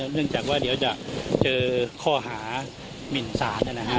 เนื่องจากว่าเดี๋ยวจะเจอข้อหามินสาร